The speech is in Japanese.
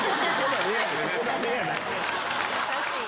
優しい！